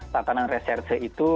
tanganan reserse itu